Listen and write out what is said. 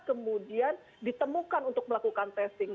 kemudian ditemukan untuk melakukan testing